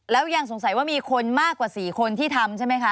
แล้วยังสงสัยว่ามีคนมากกว่า๔คนที่ทำใช่ไหมคะ